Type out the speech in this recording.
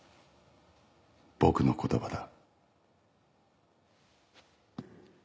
僕の言葉だ。